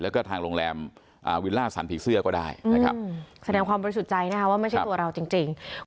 แล้วก็ทางโรงแรมวิลล่าสันผีเสื้อก็ได้นะครับแสดงความบริสุทธิ์ใจนะคะว่าไม่ใช่ตัวเราจริง